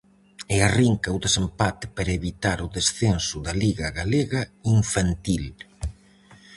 E arrinca o desempate para evitar o descenso da liga galega infantil.